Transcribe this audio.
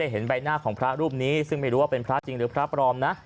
เห็นใบหน้าของพระรูปนี้ซึ่งไม่รู้ว่าเป็นพระจริงหรือพระปลอมนะ